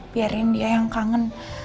biarin dia yang kangen